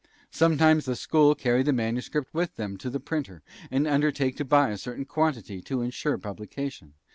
Sometimes the school carry the manuscript with them to the printer, and undertake to buy a certain quantity to insure publication.